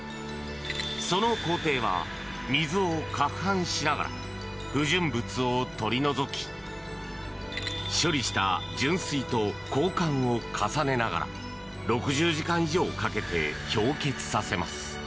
その工程は水をかくはんしながら不純物を取り除き処理した純水と交換を重ねながら６０時間以上かけて氷結させます。